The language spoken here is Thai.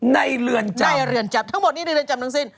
ในเรือนจำ